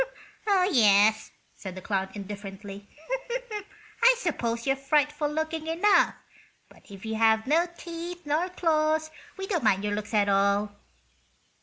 "Oh, yes;" said the clown, indifferently. "I suppose you're frightful looking enough. But if you have no teeth nor claws we don't mind your looks at all."